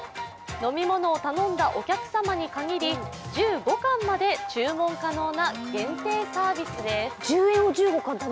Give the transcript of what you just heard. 飲み物を頼んだお客様に限り、１５貫まで注文可能な限定サービスです。